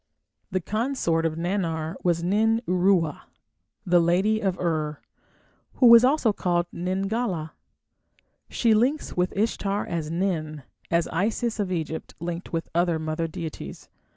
The consort of Nannar was Nin Uruwa, "the lady of Ur", who was also called Nin gala. She links with Ishtar as Nin, as Isis of Egypt linked with other mother deities.